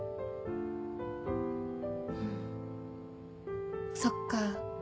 んそっか。